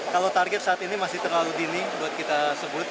kalau target saat ini masih terlalu dini buat kita sebut